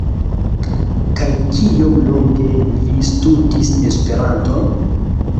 Kaj kiom longe vi studis Esperanton?